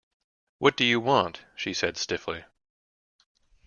“What do you want?” she said stiffly.